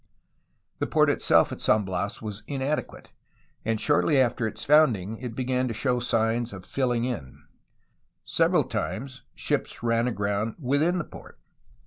The port itself at San Bias was inadequate, and shortly after its founding it began to show signs of filling in. Several times, ships ran aground within the port.